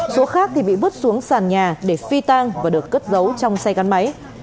số khác thì bị bước xuống sàn nhà để phi tang và được cất giấu trong xe căn máy